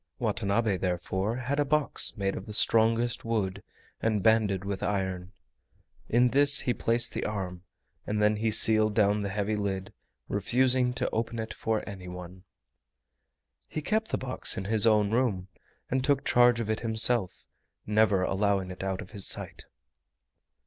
Watanabe therefore had a box made of the strongest wood and banded with iron. In this he placed the arm, and then he sealed down the heavy lid, refusing to open it for anyone. He kept the box in his own room and took charge of it himself, never allowing it out of his sight.